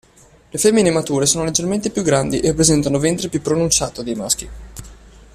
Le femmine mature sono leggermente più grandi e presentano ventre più pronunciato dei maschi.